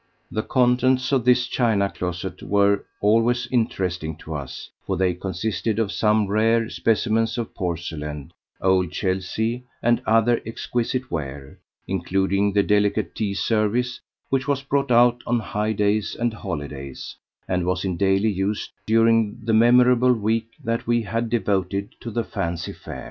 The contents of this china closet were always interesting to us, for they consisted of some rare specimens of porcelain, old Chelsea, and other exquisite ware, including the delicate tea service which was brought out on high days and holidays, and was in daily use during the memorable week that we had devoted to the fancy fair.